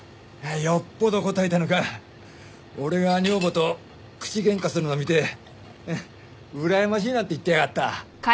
よっぽど堪えたのか俺が女房と口喧嘩するのを見てうらやましいなんて言ってやがった。